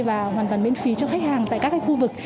và hoàn toàn miễn phí cho khách hàng tại các khu vực